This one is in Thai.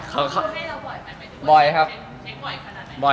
คุณแม่จะบ่อยมาทำยังไงครับ